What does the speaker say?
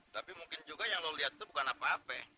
tapi mungkin juga yang lo lihat itu bukan apa apa